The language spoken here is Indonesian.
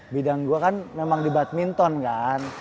bidang gue kan memang di badminton kan